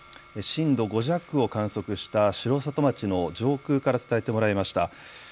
震度５弱を観測した城里町の上空から伝えてもらいました。